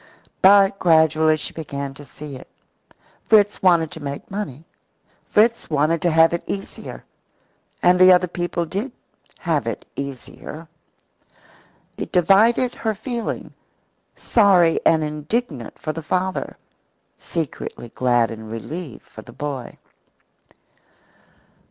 But gradually she began to see it. Fritz wanted to make money. Fritz wanted to have it easier. And the other people did "have it easier." It divided her feeling: sorry and indignant for the father, secretly glad and relieved for the boy.